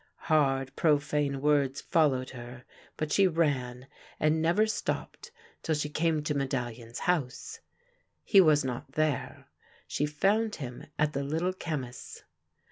Hard profane words followed her, but she ran, and THE TILVGIC COMEDY OF ANNETTE 153 never stopped till she came to Medallion's house. He was not there. She found him at the Little Chemist's.